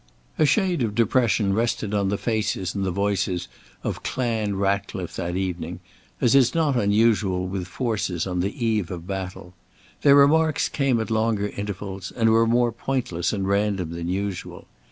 A shade of depression rested on the faces and the voices of Clan Ratcliffe that evening, as is not unusual with forces on the eve of battle. Their remarks came at longer intervals, and were more pointless and random than usual.